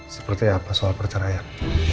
seperti apa soal perceraian